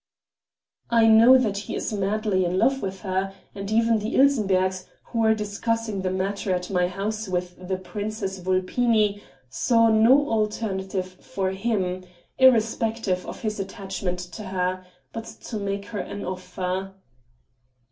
"I know that he is madly in love with her, and even the Ilsenberghs, who were discussing the matter at my house with the Princess Vulpini, saw no alternative for him irrespective of his attachment to her but to make her an offer."